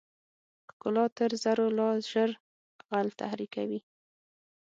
ښکلا تر زرو لا ژر غل تحریکوي.